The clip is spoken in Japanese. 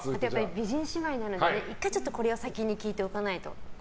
美人姉妹なので１回これを先に聞いておかないと。